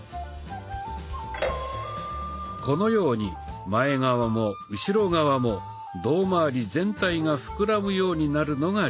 このように前側も後ろ側も胴まわり全体がふくらむようになるのが理想的。